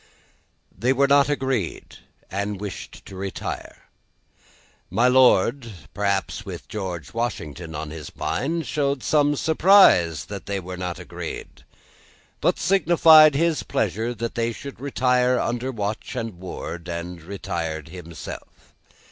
They were not agreed, and wished to retire. My Lord (perhaps with George Washington on his mind) showed some surprise that they were not agreed, but signified his pleasure that they should retire under watch and ward, and retired himself.